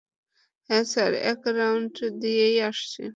হ্যাঁ স্যার, এক রাউন্ড দিয়েই আসছি।